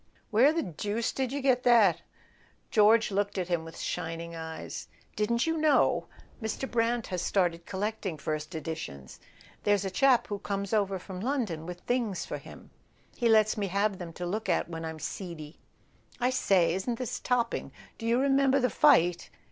"Where the deuce did you get that?" George looked at him with shining eyes. "Didn't you know? Mr. Brant has started collecting first edi¬ tions. There's a chap who comes over from London with things for him. He lets me have them to look at when I'm seedy. I say, isn't this topping? Do you re¬ member the fight?"